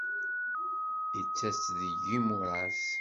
Yettas-d deg yimuras.